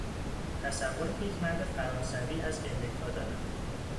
تصوری که یک مرد فرانسوی از امریکا دارد